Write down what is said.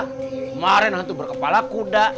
kemarin hantu berkepala kuda